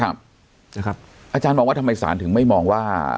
นะครับอาจารย์มองว่าทำไมสารถึงไม่มองว่า